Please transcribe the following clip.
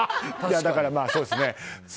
だからそうですね。